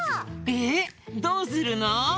えっどうするの？